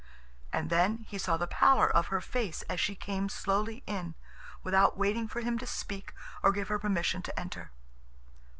And then he saw the pallor of her face as she came slowly in, without waiting for him to speak or give her permission to enter.